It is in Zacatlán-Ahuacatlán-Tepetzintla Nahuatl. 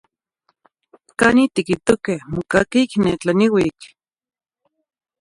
Canin tiquitoqueh mocaqui ic ne tlaniuic.